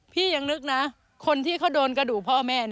พี่ยังนึกนะคนที่เขาโดนกระดูกพ่อแม่